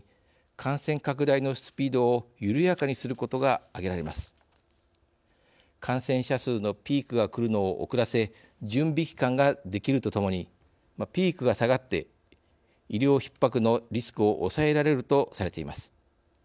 感染者数のピークが来るのを遅らせ準備期間ができるとともにピークが下がって医療ひっ迫のリスクを抑えられるとされています。